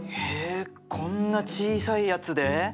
へえこんな小さいやつで。